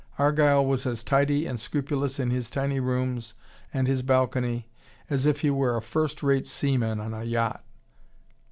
Argyle was as tidy and scrupulous in his tiny rooms and his balcony as if he were a first rate sea man on a yacht.